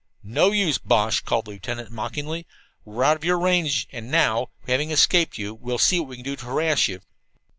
"No use, Boche," called the lieutenant mockingly, "we're out of your range. And now, having escaped you, we'll see what we can do to harass you."